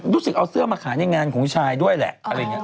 รู้สึกเอาเสื้อมาขายงานของชายด้วยแหละ